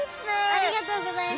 ありがとうございます。